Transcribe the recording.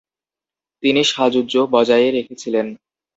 তিনি সাযুজ্য বজায়ে রেখেছিলেন ।